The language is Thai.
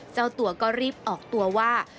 เจ้าตัวก็รีบออกตัวว่า